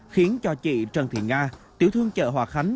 khiến cho chị trần thị nga tiểu thương chợ hòa khánh